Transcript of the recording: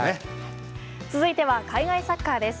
続いては海外サッカーです。